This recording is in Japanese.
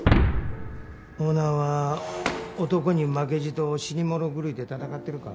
オーナーは男に負けじと死に物狂いで闘ってるか？